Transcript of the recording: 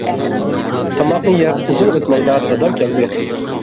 تاماقنى يەپ ئۇزۇن ئۆتمەيلا دادام كەلدى.